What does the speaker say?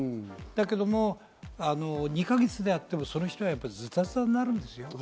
だけども、２か月であってもその人はズタズタになるんですよ。